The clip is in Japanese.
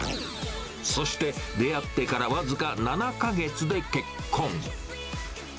そして出会ってから僅か７か月で結婚。